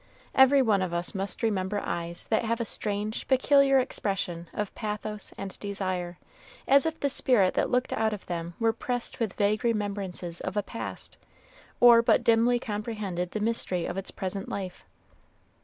Every one of us must remember eyes that have a strange, peculiar expression of pathos and desire, as if the spirit that looked out of them were pressed with vague remembrances of a past, or but dimly comprehended the mystery of its present life.